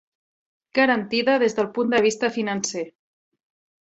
Garantida des del punt de vista financer.